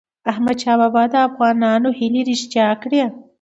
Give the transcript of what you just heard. احمدشاه بابا د افغانانو هیلې رښتیا کړی.